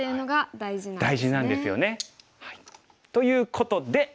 大事なんですよね。ということで。